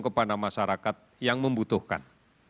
kepada masyarakat yang membutuhkan